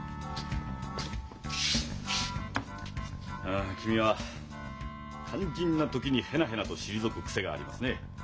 あ君は肝心な時にヘナヘナと退く癖がありますね。